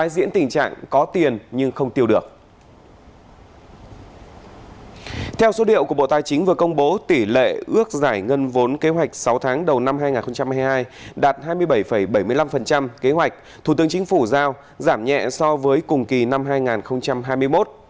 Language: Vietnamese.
đạt hai mươi bảy bảy mươi năm kế hoạch thủ tướng chính phủ giao giảm nhẹ so với cùng kỳ năm hai nghìn hai mươi một